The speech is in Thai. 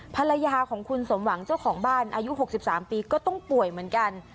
ภรรยาของคุณสมหวังเจ้าของบ้านอายุ๖๓ปีก็ต้องป่วยเหมือนกัน